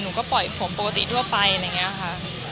หนูก็ปล่อยผมปกติทั่วไปอะไรอย่างนี้ค่ะ